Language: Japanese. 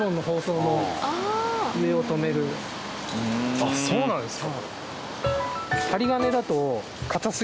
あっそうなんですか。